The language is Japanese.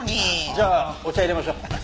じゃあお茶いれましょう。